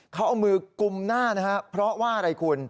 เขาเอามือกุมหน้านะครับเพราะว่าอะไรคุณ